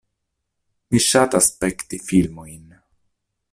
Mi ŝatas spekti filmojn.